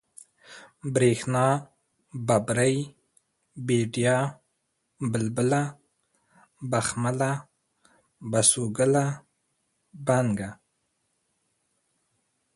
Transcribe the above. برېښنا ، ببرۍ ، بېديا ، بلبله ، بخمله ، بسوگله ، بڼکه